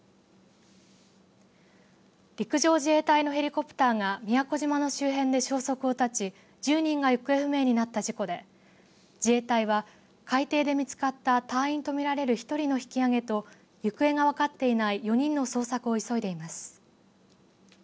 陸上自衛隊のヘリコプターが宮古島の周辺で消息を絶ち１０人が行方不明になった事故で自衛隊は海底で見つかった隊員と見られる１人の引き上げと行方が分かっていない４人の捜索を急いでいます。